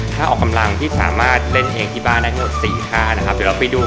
ถ้าออกกำลังที่สามารถเล่นเองที่บ้านได้ทั้งหมด๔ท่านะครับเดี๋ยวเราไปดู